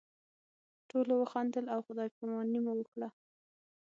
ټولو وخندل او خدای پاماني مو وکړه.